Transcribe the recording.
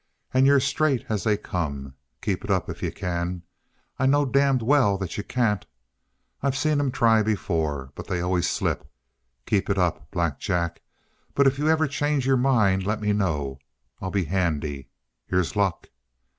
"And you're straight as they come. Keep it up if you can. I know damned well that you can't. I've seen 'em try before. But they always slip. Keep it up, Black Jack, but if you ever change your mind, lemme know. I'll be handy. Here's luck!"